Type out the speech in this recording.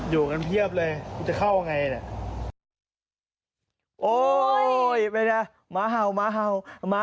อยู่กันเพียบเลยคุณจะเข้าไงเนี่ย